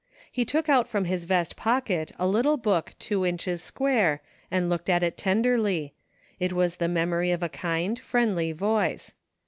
He took out from his vest pocket a little book two inches square and looked at it tenderly ; it was the memory of a kind, friendly voice.